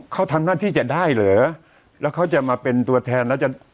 เขาทำหน้าที่จะได้เหรอแล้วเขาจะมาเป็นตัวแทนแล้วจะ